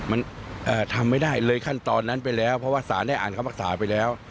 มันทำไม่ได้เลยขั้นตอนนั้นไปแล้วเพราะว่าสารได้อ่านคำภาษาไปแล้ว